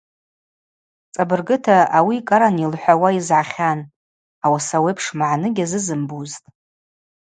Цӏабыргыта, ауи кӏаран йылхӏвауа йызгӏахьан, ауаса ауи апш магӏны гьазызымбузтӏ.